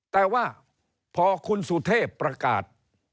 แต่ว่าพอคุณสุเทพประกาศ